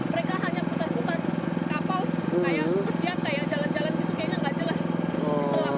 mereka hanya putar putar kapal kayak persiap kayak jalan jalan gitu